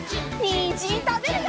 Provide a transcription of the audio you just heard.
にんじんたべるよ！